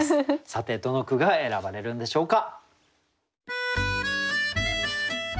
さてどの句が選ばれるんでしょうか。